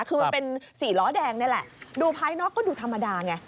คือมันเป็นสี่ล้อแดงนี่แหละดูภายนอกก็ดูธรรมดาไง